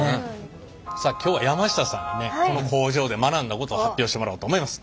さあ今日は山下さんにねこの工場で学んだことを発表してもらおうと思います。